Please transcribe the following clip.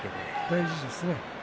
大事ですね。